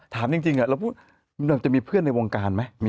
ถามจริงอะจะมีเพื่อนในวงการไหม